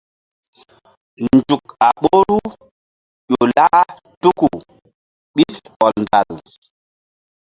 Nzuk a ɓoru ƴo lah tuku ɓil hɔndal.